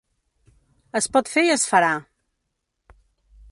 Es pot fer i es farà.